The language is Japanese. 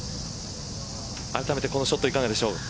あらためてこのショットいかがでしょう。